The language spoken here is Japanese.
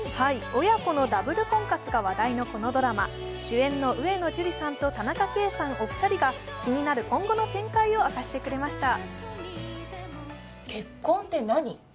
親子のダブル婚活が話題のこのドラマ、主演の上野樹里さんと田中圭さん、お二人が気になる今後の展開を明かしてくれました。